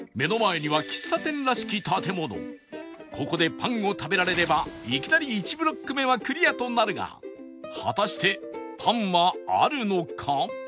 ここでパンを食べられればいきなり１ブロック目はクリアとなるが果たしてパンはあるのか？